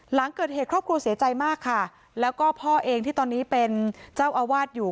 หลังเกิดเหตุครอบครัวเสียใจมากค่ะแล้วก็พ่อเองที่ตอนนี้เป็นเจ้าอาวาสอยู่